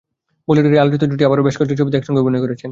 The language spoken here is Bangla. বলিউডের এই আলোচিত জুটি আরও বেশ কয়েকটি ছবিতে একসঙ্গে অভিনয় করেছেন।